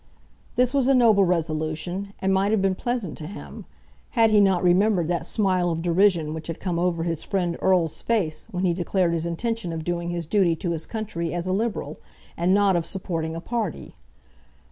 This was a noble resolution, and might have been pleasant to him, had he not remembered that smile of derision which had come over his friend Erle's face when he declared his intention of doing his duty to his country as a Liberal, and not of supporting a party.